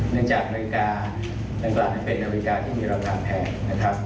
เนื่องจากนาฬิกานั้นเป็นนาฬิกาที่มีราคาแพงนะครับ